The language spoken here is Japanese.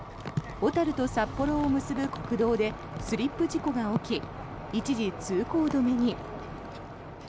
小樽と札幌を結ぶ国道でスリップ事故が起き一時、通行止めに。